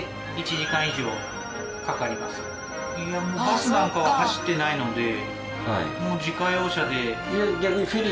バスなんかは走ってないのでもう自家用車で。